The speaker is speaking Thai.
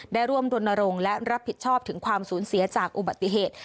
ได้ร่วมรณรงค์และรับผิดชอบถึงความสูญเสียจากอุบัติเหตุ